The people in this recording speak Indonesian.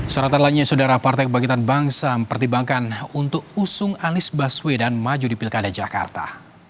sorotan lainnya saudara partai kebangkitan bangsa mempertimbangkan untuk usung anies baswedan maju di pilkada jakarta